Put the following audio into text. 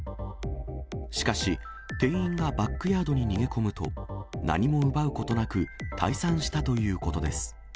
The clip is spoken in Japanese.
しかし、店員がバックヤードに逃げ込むと、何も奪うことなく、退散したということです。